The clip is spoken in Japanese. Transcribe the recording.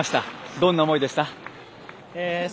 どんな思いでした？